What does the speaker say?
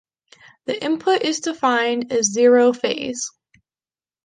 The input is defined as zero phase.